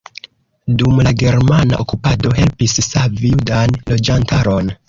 Dum la germana okupado helpis savi judan loĝantaron.